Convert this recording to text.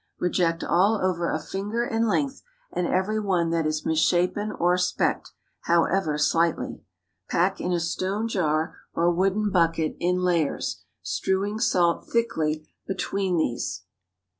Reject all over a finger in length, and every one that is misshapen or specked, however slightly. Pack in a stone jar or wooden bucket, in layers, strewing salt thickly between these.